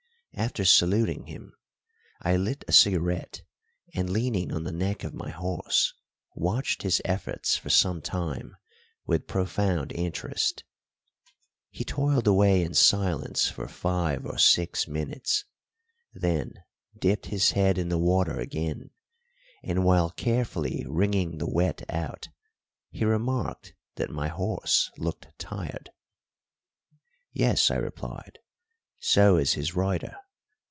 After saluting him, I lit a cigarette, and, leaning on the neck of my horse, watched his efforts for some time with profound interest. He toiled away in silence for five or six minutes, then dipped his head in the water again, and, while carefully wringing the wet out, he remarked that my horse looked tired. "Yes," I replied; "so is his rider.